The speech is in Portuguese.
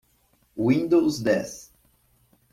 Windows dez.